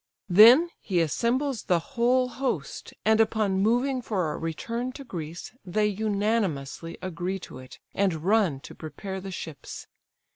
Then he assembles the whole host, and upon moving for a return to Greece, they unanimously agree to it, and run to prepare the ships.